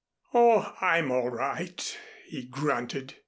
"Oh, I'm all right," he grunted.